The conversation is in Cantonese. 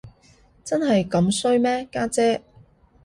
真係咁衰咩，家姐？